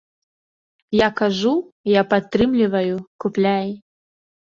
Я кажу, я падтрымліваю, купляй.